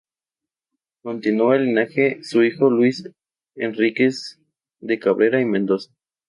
Continuó el linaje su hijo Luis Enríquez de Cabrera y Mendoza.